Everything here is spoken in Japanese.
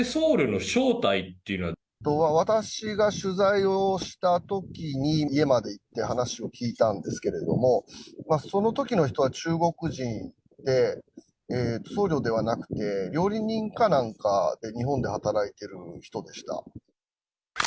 私が取材をしたときに家まで行って話を聞いたんですけれども、そのときの人は中国人で、僧侶ではなくて料理人かなんかで、日本で働いてる人でした。